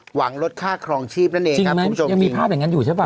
หวังลดค่าครองชีพนั่นเองครับคุณผู้ชมยังมีภาพอย่างนั้นอยู่ใช่ป่